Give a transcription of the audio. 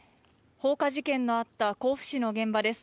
放火事件のあった甲府市の現場です。